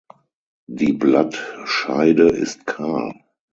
Die Blattscheide ist kahl.